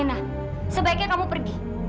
alena sebaiknya kamu pergi